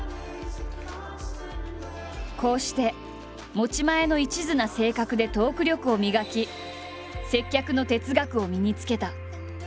こうして持ち前のいちずな性格でトーク力を磨き接客の哲学を身につけた。